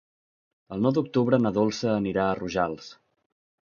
El nou d'octubre na Dolça anirà a Rojals.